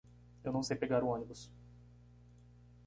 Eu não sei pegar o ônibus.